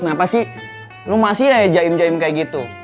kenapa sih lo masih aja jaim jaim kayak gitu